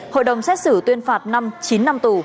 hội đồng xét xử tuyên phạt năm chín năm tù